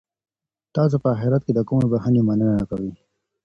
تاسي په اخیرت کي د کومې بښنې مننه کوئ؟